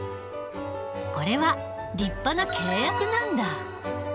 これは立派な契約なんだ。